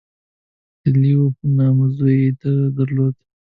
• د لیو په نامه زوی یې درلود.